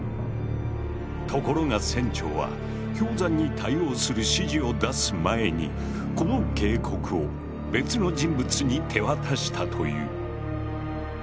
ところが船長は氷山に対応する指示を出す前にこの警告を別の人物に手渡したという。